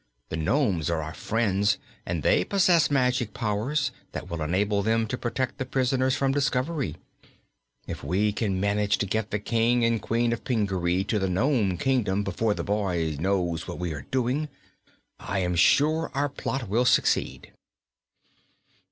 "The nomes are our friends, and they possess magic powers that will enable them to protect the prisoners from discovery. If we can manage to get the King and Queen of Pingaree to the Nome Kingdom before the boy knows what we are doing, I am sure our plot will succeed."